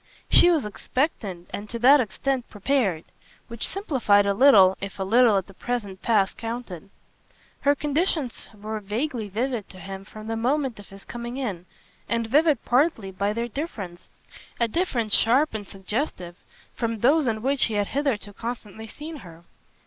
She was expectant and to that extent prepared; which simplified a little if a little, at the present pass, counted. Her conditions were vaguely vivid to him from the moment of his coming in, and vivid partly by their difference, a difference sharp and suggestive, from those in which he had hitherto constantly seen her.